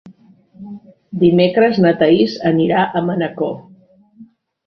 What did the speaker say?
Dimecres na Thaís anirà a Manacor.